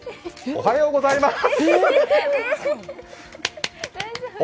おはようございます！